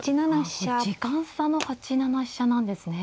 時間差の８七飛車なんですね。